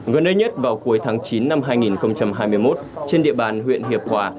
gần nơi nhất vào cuối tháng chín năm hai nghìn hai mươi một trên địa bàn huyện hiệp hòa